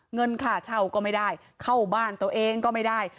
เงินค่าเช่าก็ไม่ได้เข้าบ้านตัวเองก็ไม่ได้